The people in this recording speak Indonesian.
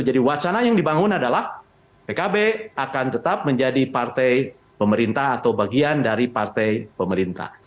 jadi wacana yang dibangun adalah pkb akan tetap menjadi partai pemerintah atau bagian dari partai pemerintah